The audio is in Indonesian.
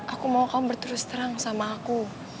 aku mau kamu berterus terang sama aku